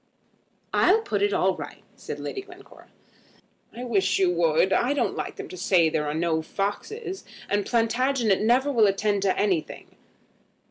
"I'll put it all right," said Lady Glencora. "I wish you would. I don't like them to say there are no foxes; and Plantagenet never will attend to anything."